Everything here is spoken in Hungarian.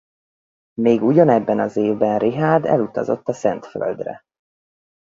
Még ugyanebben az évben Richárd elutazott a Szent Földre.